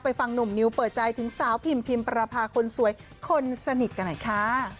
ฟังหนุ่มนิวเปิดใจถึงสาวพิมพิมประพาคนสวยคนสนิทกันหน่อยค่ะ